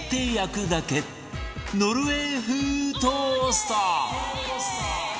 ノルウェー風トースト